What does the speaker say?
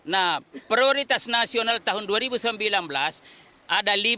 nah prioritas nasional tahun dua ribu sembilan belas ada lima